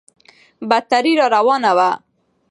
بدتري راروانه وه.